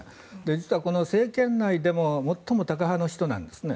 実は、政権内でも最もタカ派の人なんですね。